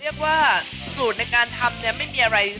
เรียกว่ากรูดในการทำเนี่ยไม่มีอะไรรู้มั้ย